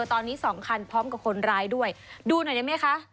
ตอนนี้สองคันพร้อมกับคนร้ายด้วยดูหน่อยได้ไหมคะ